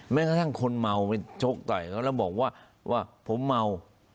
แม้กระทั่งคนเมาไปชกต่อยเขาแล้วบอกว่าผมเมา